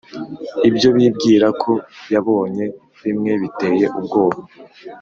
ibyo bibwira ko yabonye bimwe biteye ubwoba,